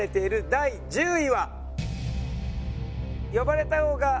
第１０位。